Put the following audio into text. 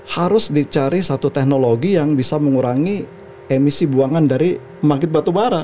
harus dicari satu teknologi yang bisa mengurangi emisi buangan dari pemakit batubara